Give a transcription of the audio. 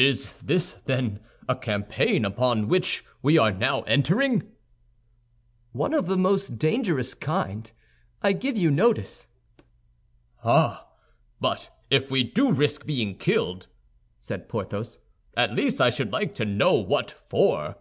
"Is this, then, a campaign upon which we are now entering?" "One of a most dangerous kind, I give you notice." "Ah! But if we do risk being killed," said Porthos, "at least I should like to know what for."